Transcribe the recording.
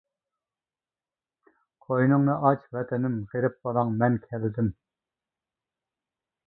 قوينۇڭنى ئاچ ۋەتىنىم غېرىب بالاڭ مەن كەلدىم.